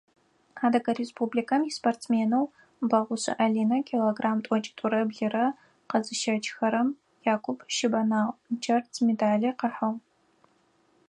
Адыгэ Республикэм испортсменэу Бэгъушъэ Алинэ килограмм тӀокӀитӀурэ блырэ къэзыщэчыхэрэм якуп щыбэнагъ, джэрз медали къыхьыгъ.